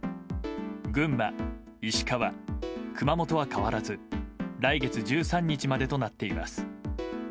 群馬、石川、熊本は変わらず来月１３日までとなっています。